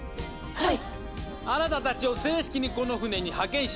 はい！